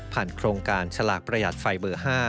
โครงการฉลากประหยัดไฟเบอร์๕